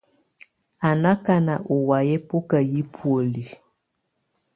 Á nɔ̀ akanà ù wayɛ̀á ɛbɔka yi bɔ̀óli.